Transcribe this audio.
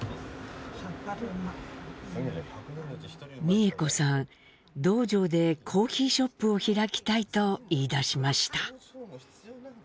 美江子さん洞場でコーヒーショップを開きたいと言いだしました。